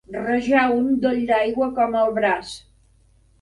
Rajar un doll d'aigua com el braç.